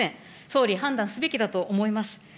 総理、判断すべきだと思います。